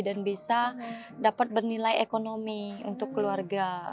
dan bisa dapat bernilai ekonomi untuk keluarga